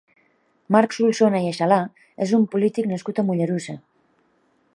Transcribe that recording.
Marc Solsona i Aixalà és un polític nascut a Mollerussa.